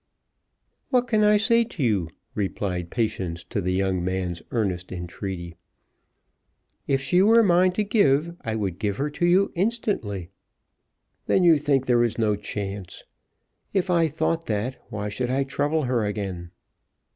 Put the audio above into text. "What can I say to you?" replied Patience to the young man's earnest entreaty. "If she were mine to give, I would give her to you instantly." "Then you think there is no chance. If I thought that, why should I trouble her again?"